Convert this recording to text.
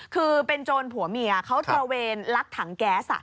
คือเป็นโจรผัวเมียเขาตระเวนลักถังแก๊ส